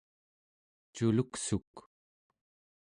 culuksuk